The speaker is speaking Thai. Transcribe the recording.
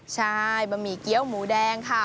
ใช่บะหมี่เกี้ยวหมูแดงค่ะ